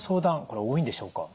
これ多いんでしょうか？